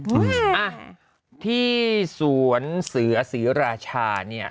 อ้าที่สวนเสือสือราชานี่